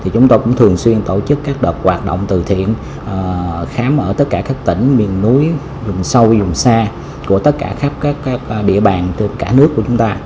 chúng tôi cũng thường xuyên tổ chức các đợt hoạt động từ thiện khám ở tất cả các tỉnh miền núi rừng sâu rừng xa của tất cả các địa bàn cả nước của chúng ta